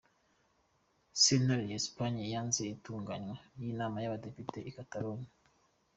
Sentare ya Espagne yanse itunganywa ry'inama y'abadepite i Catalogne.